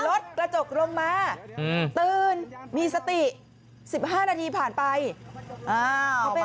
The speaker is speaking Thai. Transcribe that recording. รถกระจกลงมาอืมตื่นมีสติสิบห้านาทีผ่านไปอ้าว